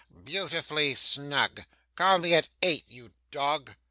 'Beautifully snug! Call me at eight, you dog.